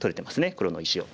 黒の石を。